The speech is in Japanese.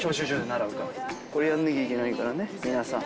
これやんなきゃいけないからね皆さん！